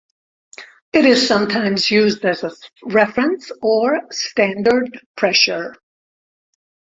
It is sometimes used as a "reference" or "standard pressure".